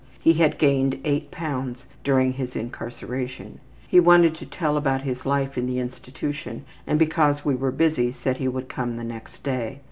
He had gained eight pounds during his incarceration. He wanted to tell all about his life in the institution and because we were busy said he would come the next day.